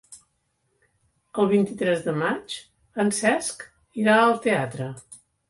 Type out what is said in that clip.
El vint-i-tres de maig en Cesc irà al teatre.